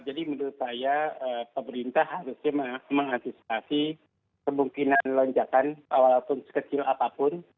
menurut saya pemerintah harusnya mengantisipasi kemungkinan lonjakan walaupun sekecil apapun